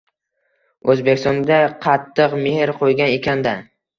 O‘zbekistonga qattiq mehr qo‘ygan ekanda.